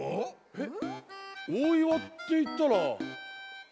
えっ？